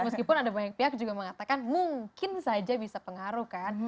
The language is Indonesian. meskipun ada banyak pihak juga mengatakan mungkin saja bisa pengaruh kan